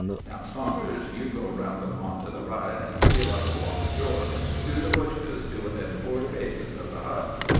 Now, Saunders, you go round the pond to the right and steal up along shore, through the bushes, to within forty paces of the hut.